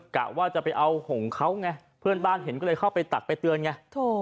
กะว่าจะไปเอาหงเขาไงเพื่อนบ้านเห็นก็เลยเข้าไปตักไปเตือนไง